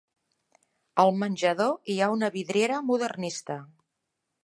Al menjador hi ha una vidriera modernista.